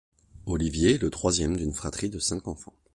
Olivier est le troisième d'une fratrie de cinq enfants.